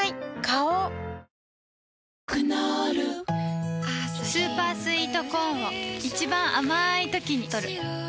花王クノールスーパースイートコーンを一番あまいときにとる